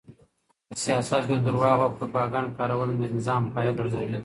په سیاست کې د درواغو او پروپاګند کارول د نظام پایه لړزوي.